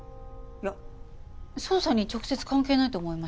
捜査に直接関係ないと思いまして。